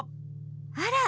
あら！